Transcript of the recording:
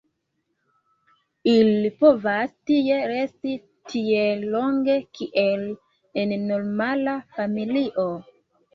Ili povas tie resti tiel longe kiel en normala familio.